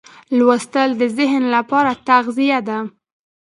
لوستل د ذهن لپاره تغذیه ده.